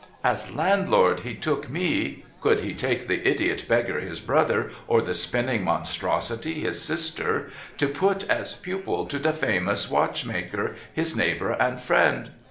As Landlord, he took me (could he take the idiot beggar his brother, or the spinning monstrosity his sister ?) to put as pupil to the famous watchmaker, his neighbour and friend.